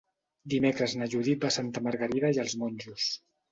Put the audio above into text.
Dimecres na Judit va a Santa Margarida i els Monjos.